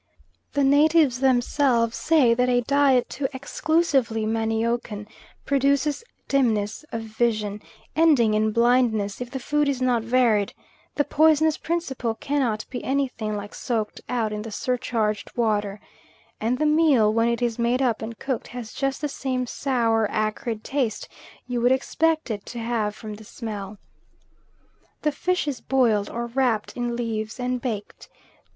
The natives themselves say that a diet too exclusively maniocan produces dimness of vision, ending in blindness if the food is not varied; the poisonous principle cannot be anything like soaked out in the surcharged water, and the meal when it is made up and cooked has just the same sour, acrid taste you would expect it to have from the smell. The fish is boiled, or wrapped in leaves and baked.